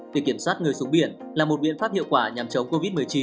việc kiểm soát người xuống biển là một biện pháp hiệu quả nhằm chống covid một mươi chín